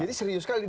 jadi serius sekali